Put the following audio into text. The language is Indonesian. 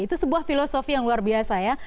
itu sebuah filosofi yang luar biasa ya